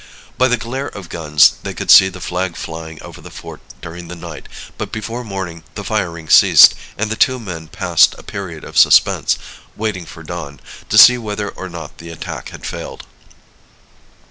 By the glare of guns they could see the flag flying over the fort during the night, but before morning the firing ceased, and the two men passed a period of suspense, waiting for dawn, to see whether or not the attack had failed.